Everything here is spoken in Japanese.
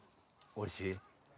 おいしい。